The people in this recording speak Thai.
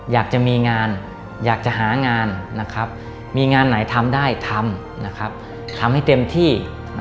อยากจะมีงานอยากจะหางานมีงานไหนทำได้ทำทำให้เต็มที่